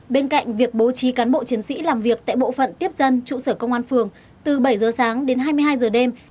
bên cạnh việc bố trí cán bộ chiến sĩ làm việc tại bộ phận tiếp dân trụ sở công an phường từ bảy giờ sáng đến hai mươi hai giờ đêm